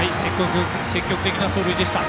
積極的な走塁でした。